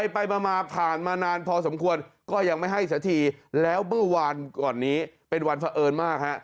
ไปมาผ่านมานานพอสมควรก็ยังไม่ให้สักทีแล้วเมื่อวานก่อนนี้เป็นวันเผอิญมากฮะ